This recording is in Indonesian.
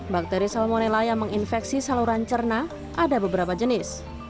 bakteri salmonella yang menginfeksi saluran cerna ada beberapa jenis